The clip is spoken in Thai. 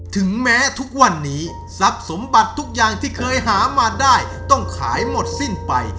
ถึงแม้ทุกวันนี้ทรัพย์สมบัติทุกอย่างที่เคยหามาได้ต้องขายหมดสิ้นไป